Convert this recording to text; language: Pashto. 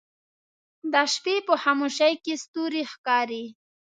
د شپې په خاموشۍ کې ستوری ښکاري